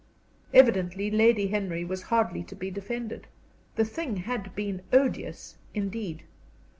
Evidently, Lady Henry was hardly to be defended. The thing had been "odious," indeed.